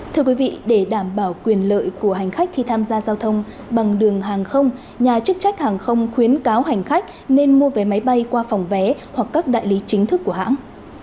thưa quý vị để đảm bảo quyền lợi của hành khách khi tham gia giao thông bằng đường hàng không nhà chức trách hàng không khuyến cáo hành khách nên mua vé máy bay qua phòng vé hoặc các đại lý chính thức của hãng